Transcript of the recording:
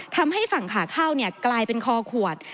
ทำให้ฝั่งขาเข้ากลายเป็นคอขวด